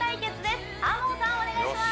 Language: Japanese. お願いします